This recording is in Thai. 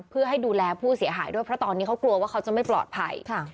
เพื่อให้ดูแลผู้เสียหายด้วยเพราะตอนนี้เขากลัวว่าเขาจะไม่ปลอดภัย